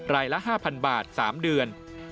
รายละ๕๐๐๐บาท๓เดือน